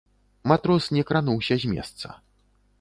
Матрос не крануўся з месца.